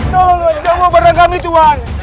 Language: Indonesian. tolong tuhan jangan bawa barang kami tuhan